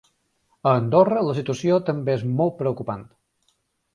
A Andorra la situació també és molt preocupant.